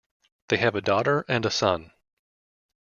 They have a daughter and a son.